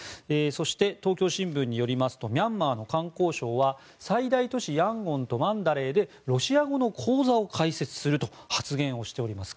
そして東京新聞によりますとミャンマーの環境相は最大都市ヤンゴンとマンダレーでロシア語の講座を開設すると発言しています。